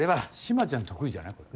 島ちゃん得意じゃない？